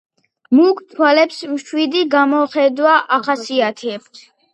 მუქ თვალებს მშვიდი გამოხედვა ახასიათებთ.